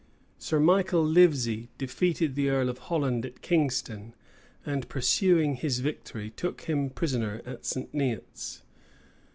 Sir Michael Livesey defeated the earl of Holland at Kingston, and pursuing his victory, took him prisoner at St. Neots.